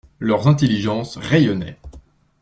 Leurs intelligences rayonnaient.